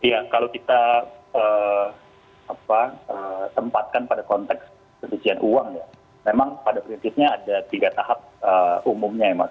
ya kalau kita tempatkan pada konteks pencucian uang ya memang pada prinsipnya ada tiga tahap umumnya ya mas